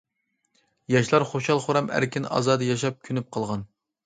ياشلار خۇشال- خۇرام، ئەركىن- ئازادە ياشاپ كۆنۈپ قالغان.